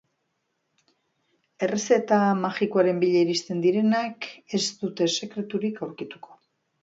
Errezeta magikoaren bila iristen direnak ez dute sekreturik aurkituko.